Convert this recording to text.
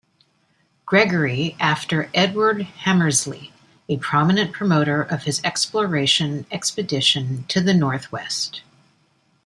Gregory after Edward Hamersley, a prominent promoter of his exploration expedition to the Northwest.